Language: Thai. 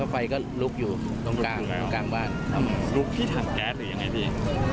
ไฟก็ลุกอยู่ตรงกลางบ้านลุกที่ถังแก๊สหรือยังไงพี่